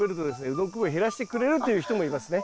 うどんこ病を減らしてくれるという人もいますね。